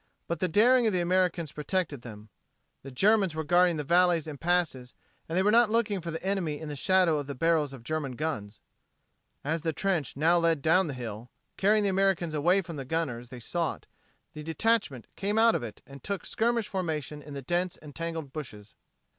But the daring of the Americans protected them. The Germans were guarding the valleys and the passes and they were not looking for enemy in the shadow of the barrels of German guns. As the trench now led down the hill, carrying the Americans away from the gunners they sought, the detachment came out of it and took skirmish formation in the dense and tangled bushes.